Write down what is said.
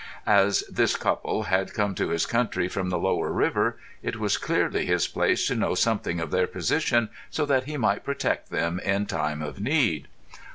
As this couple had come to his country from the lower river, it was clearly his place to know something of their position so that he might protect them in time of need.